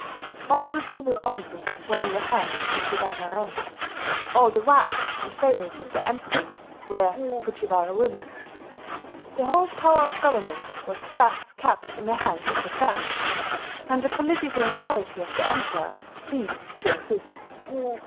All the civil offices were in the hands of Fujiwara men; all the wives and favourites of the Emperors were Fujiwara women. The whole power of government was thus kept in the hands of the clan; and the political authority of the Emperor ceased to exist.